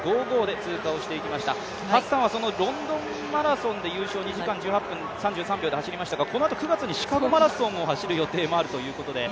ハッサンはロンドンマラソンで２時間１８分３３秒で走りましたが、このあとシカゴマラソンを走る予定があるということで。